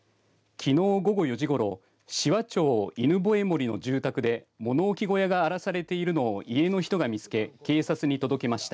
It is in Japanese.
きのう午後４時ごろ紫波町犬吠森の住宅で物置小屋が荒らされているのを家の人が見つけ警察に届けました。